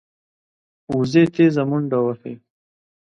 وزې تېزه منډه وهي